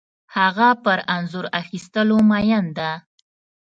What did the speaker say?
هغه پر انځور اخیستلو مین ده